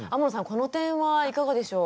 この点はいかがでしょう？